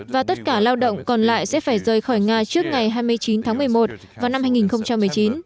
và tất cả lao động còn lại sẽ phải rời khỏi nga trước ngày hai mươi chín tháng một mươi một vào năm hai nghìn một mươi chín